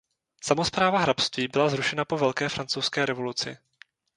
Samospráva hrabství byla zrušena po velké francouzské revoluci.